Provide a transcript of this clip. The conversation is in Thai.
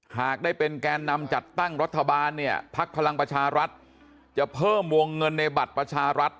หากได้เป็นแกนนำจัดตั้งรัฐบาลเนี่ยพักพลังประชารัฐจะเพิ่มวงเงินในบัตรประชารัฐ